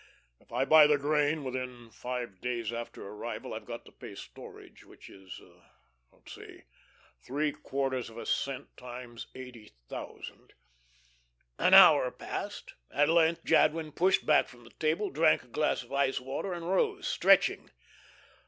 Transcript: If I buy the grain within five days after arrival I've got to pay storage, which is, let's see three quarters of a cent times eighty thousand...." An hour passed. At length Jadwin pushed back from the table, drank a glass of ice water, and rose, stretching.